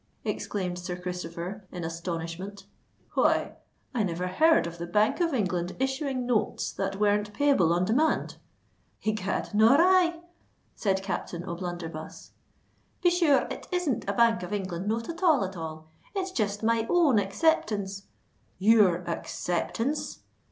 exclaimed Sir Christopher, in astonishment. "Why—I never heard of the Bank of England issuing notes that weren't payable on demand." "Egad, nor I!" said Captain O'Blunderbuss. "But sure it isn't a Bank of England note at all, at all: it's just my own acceptance——" "Your acceptance!"